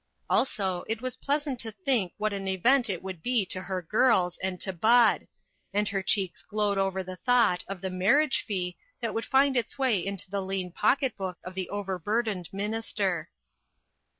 Also it was pleasant to think what an event it would be to her girls, and to Bud; and her cheeks glowed over the thought of the marriage fee that would find its way into the lean pocket book of the overburdened minister.